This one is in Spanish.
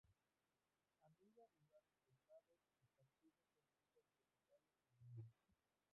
Anida en lugares aislados esparcidos en islas tropicales del mundo.